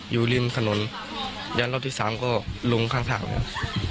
อยู่ริมถนนยันรอบที่สามก็ลงข้างทางแล้ว